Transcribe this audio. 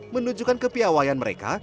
menunjukkan kepiawayaan mereka